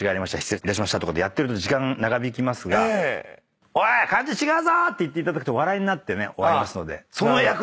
失礼しましたとかやってると時間長引きますが「おい！漢字違うぞ」って言っていただくと笑いになって終わりますので。